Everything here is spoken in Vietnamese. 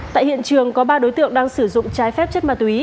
tại hiện trường có ba đối tượng đang sử dụng trái phép chất ma túy